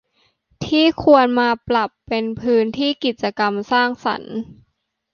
ที่ควรมาปรับเป็นพื้นที่กิจกรรมสร้างสรรค์